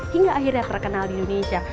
hingga akhirnya terkenal di indonesia